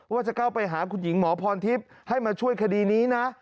ว่าจะเข้าไปหาคุณหญิงหมอพรทิพย์ให้มาช่วยคดีนี้นะ